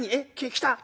来た？